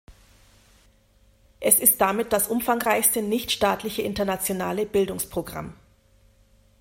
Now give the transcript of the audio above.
Es ist damit das umfangreichste nichtstaatliche internationale Bildungsprogramm.